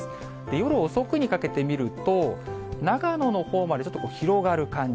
夜遅くにかけて見ると、長野のほうまでちょっと広がる感じ。